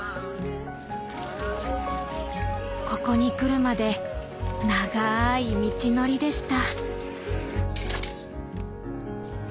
ここに来るまで長い道のりでした。